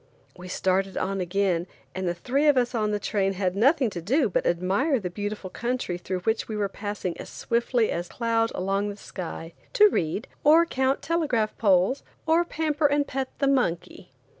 We started on again, and the three of us on the train had nothing to do but admire the beautiful country through which we were passing as swiftly as cloud along the sky, to read, or count telegraph poles, or pamper and pet the monkey.